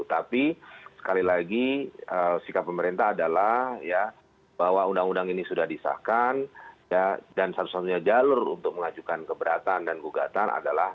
tapi sekali lagi sikap pemerintah adalah ya bahwa undang undang ini sudah disahkan dan satu satunya jalur untuk mengajukan keberatan dan gugatan adalah